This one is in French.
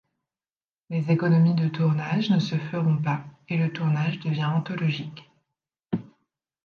Les économies de tournage ne se feront pas et le tournage devient anthologique.